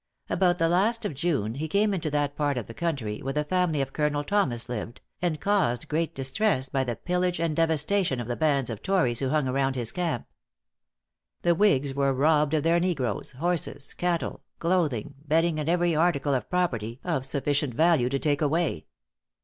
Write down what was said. About the last of June he came into that part of the country where the family of Colonel Thomas lived, and caused great distress by the pillage and devastation of the bands of tories who hung around his camp. The whigs were robbed of their negroes, horses, cattle, clothing, bedding and every article of property of sufficient value to take away.